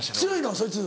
そいつ。